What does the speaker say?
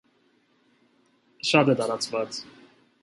Շատ է տարածված։